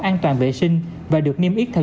an toàn vệ sinh và được niêm yết theo